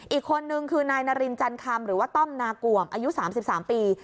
อีกคนนึงคือนายนารินจันคำหรือว่าต้อมนากวมอายุ๓๓ปี